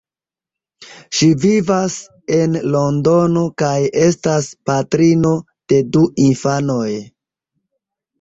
Ŝi vivas en Londono kaj estas patrino de du infanoj.